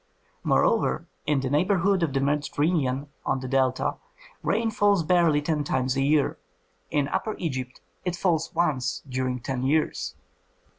Moreover, in the neighborhood of the Mediterranean, on the Delta, rain falls barely ten times a year; in Upper Egypt it falls once during ten years.